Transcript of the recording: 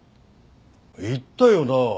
言ったよな。